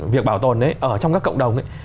việc bảo tồn ở trong các cộng đồng